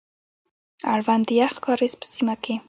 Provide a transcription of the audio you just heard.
اړوند د يخ کاريز په سيمه کي،